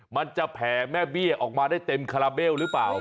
มันจะแผ่แม่เบี้ยออกมาเนี่ยออกมาได้เต็มคาราเบ้ลรึป่าว